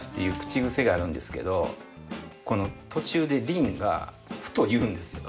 この途中で凛がふと言うんですよ